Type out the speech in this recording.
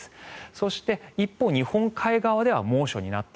そして、一方日本海側では猛暑になった。